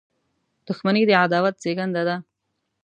• دښمني د عداوت زیږنده ده.